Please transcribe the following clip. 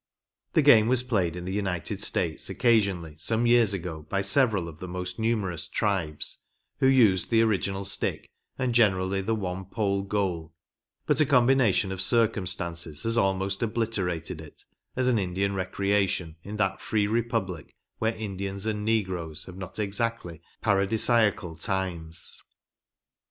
The game was played in the United States occasion ally oome years ago by several of the most numerous tribes, who used the original stick and generally the one pole goal, but a combination of circumstances has almost obliterated it as an Indian recreation in that free Republic where Indians and negroes have not exactly paradisiacal times.